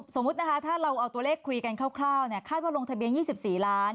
สมมุตินะคะถ้าเราเอาตัวเลขคุยกันคร่าวคาดว่าลงทะเบียน๒๔ล้าน